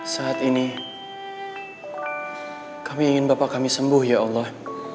saat ini kami ingin bapak kami sembuh ya allah